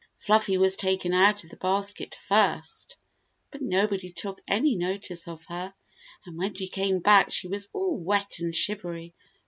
Fluffy was taken out of the basket first, but nobody took any notice of her, and when she came back she was all wet and shivery.